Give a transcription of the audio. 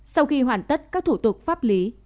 sau khi hoàn tất các thủ tục pháp lý